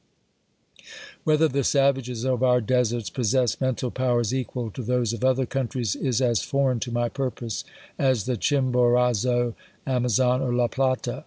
Whether the savages of our deserts possess mental' powers equal to those of other countries, is as foreign to my purpose, as the Chimborazo, Amazon, or La Plata.